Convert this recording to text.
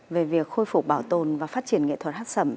về việc khôi phục bảo tồn và phát triển nghệ thuật hát sẩm